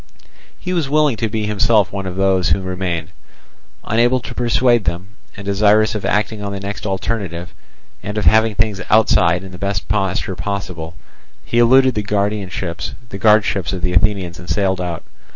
He was willing to be himself one of those who remained. Unable to persuade them, and desirous of acting on the next alternative, and of having things outside in the best posture possible, he eluded the guardships of the Athenians and sailed out.